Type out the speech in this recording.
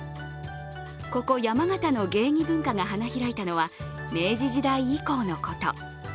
ここ山形の芸妓文化が開いたのは明治時代以降のこと。